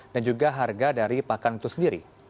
dan juga harga dari pakan itu sendiri